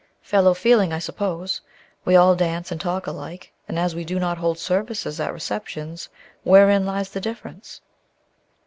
"Fellow feeling, I suppose. We all dance and talk alike; and as we do not hold services at receptions, wherein lies the difference?"